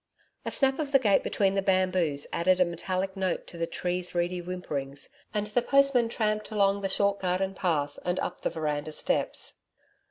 A snap of the gate between the bamboos added a metallic note to the tree's reedy whimperings, and the postman tramped along the short garden path and up the veranda steps.